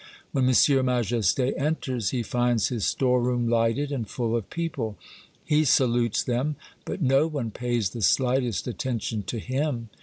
When M. Majesty enters, he finds his store room Hghted and full of people. He salutes them, but no one pays the slightest atten tion to him.